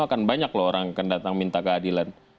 akan banyak lho orang yang akan datang minta keadilan